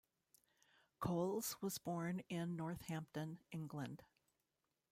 Coles was born in Northampton, England.